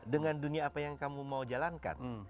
dengan dunia apa yang kamu mau jalankan